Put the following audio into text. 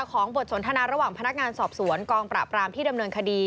ของบทสนทนาระหว่างพนักงานสอบสวนกองปราบรามที่ดำเนินคดี